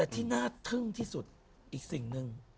ที่น่าทึ่งที่สุดอีกสิ่งหนึ่ง